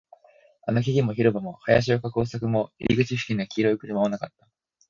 あの木々も、広場も、林を囲う柵も、入り口付近の黄色い車もなかった